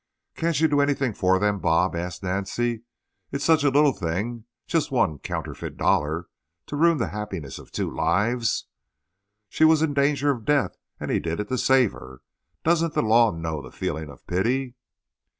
"Can't you do anything for them, Bob?" asked Nancy. "It's such a little thing—just one counterfeit dollar—to ruin the happiness of two lives! She was in danger of death, and he did it to save her. Doesn't the law know the feeling of pity?"